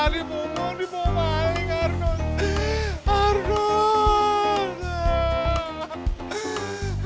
di pulau di pulau lain arnold